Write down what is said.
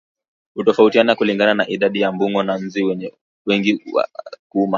hutofautiana kulingana na idadi ya mbung'o na nzi hao wengine wa kuuma